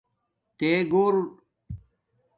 تے گھور